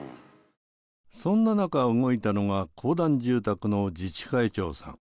そんな中動いたのが公団住宅の自治会長さん。